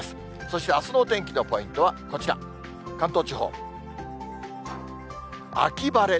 そしてあすのお天気のポイントはこちら。